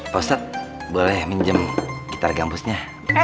pak ustadz boleh minjem gitar gambusnya